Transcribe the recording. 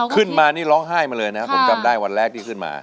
ขึ้นมานี่ร้องไห้มาเลยนะครับผมจำได้วันแรกที่ขึ้นมา